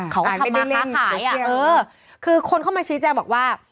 เขาก็ทำมาค้าขายอ่ะเออคือคนเข้ามาชี้แจงบอกว่า